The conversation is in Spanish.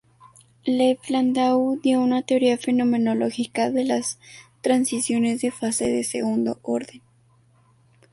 Lev Landau dio una teoría fenomenológica de las transiciones de fase de segundo orden.